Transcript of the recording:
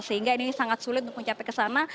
sehingga ini sangat sulit untuk mencapai ke sana